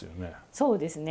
そうですね。